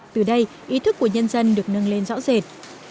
từ đây ý thức của nhân dân được nâng lên rõ rệt